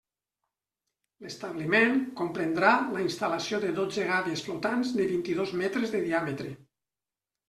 L'establiment comprendrà la instal·lació de dotze gàbies flotants de vint-i-dos metres de diàmetre.